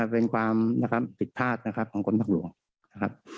เป็นความผิดพลาดนะครับของกรมทางหลวงนะครับ